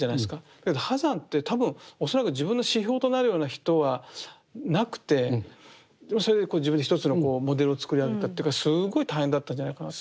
だけど波山って多分恐らく自分の指標となるような人はなくてそれで自分で一つのモデルをつくり上げたというかすごい大変だったんじゃないかなと思うんです。